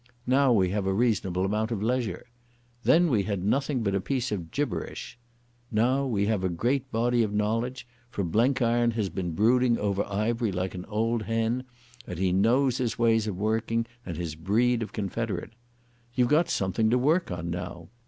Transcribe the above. Now we have a reasonable amount of leisure. Then we had nothing but a sentence of gibberish. Now we have a great body of knowledge, for Blenkiron has been brooding over Ivery like an old hen, and he knows his ways of working and his breed of confederate. You've got something to work on now.